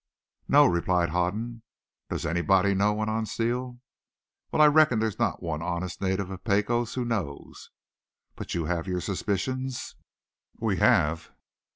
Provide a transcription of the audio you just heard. "No," replied Hoden. "Does anybody know?" went on Steele. "Wal, I reckon there's not one honest native of Pecos who knows." "But you have your suspicions?" "We have."